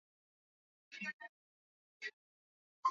wagonjwa wamekuwa wakikata tamaa ya kuendelea na matibabu